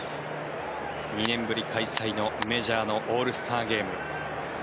２年ぶり開催のメジャーのオールスターゲーム。